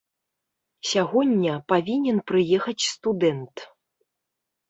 Сягоння павінен прыехаць студэнт.